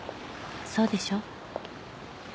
「そうでしょ？」